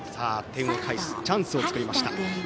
点を返すチャンスを作りました。